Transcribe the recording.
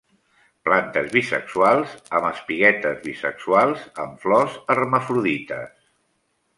Plantes bisexuals, amb espiguetes bisexuals; amb flors hermafrodites.